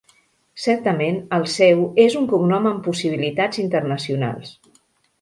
Certament el seu és un cognom amb possibilitats internacionals.